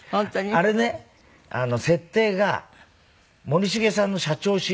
あれね設定が森繁さんの『社長』シリーズと。